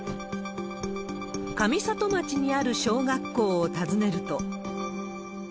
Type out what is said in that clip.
上里町にある小学校を訪ねると。